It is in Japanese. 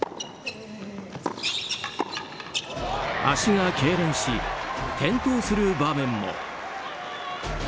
足がけいれんし転倒する場面も。